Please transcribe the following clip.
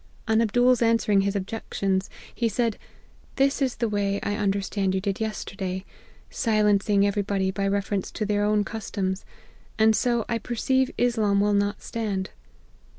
On Abdool's answering his objections, he said, ' This is the way I understand you did yesterday, silencing every body by reference to their own cus toms : and so I perceive Islam will not stand.'